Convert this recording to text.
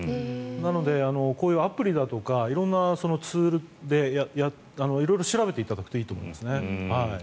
なので、こういうアプリだとか色んなツールで色々調べていただくといいと思います。